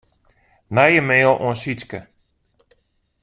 Nije mail oan Sytske.